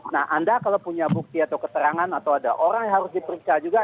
nah anda kalau punya bukti atau keterangan atau ada orang yang harus diperiksa juga